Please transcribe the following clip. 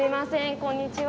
こんにちは。